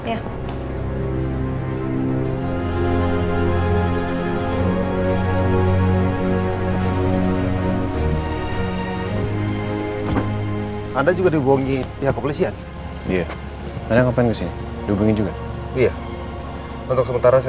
ada juga dihubungi ya kepolisian dia ada ngomongin juga iya untuk sementara saya